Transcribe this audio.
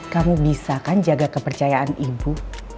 kamu bisa kan jaga kepercayaan ibu